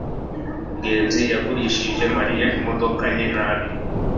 ngenzi yagurishije mariya imodoka ye nabi